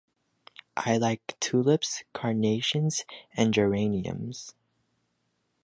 I like tulips, carnations, and geraniums.